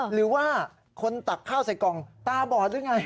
หรือว่าคนตักข้าวใส่กล่องตาบอดหรือไง